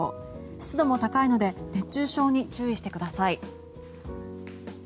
湿度も高いので熱中症に注意してください。